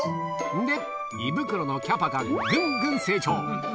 で、胃袋のキャパがぐんぐん成長。